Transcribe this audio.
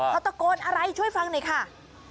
เขาตะโกนอะไรช่วยฟังหน่อยค่ะ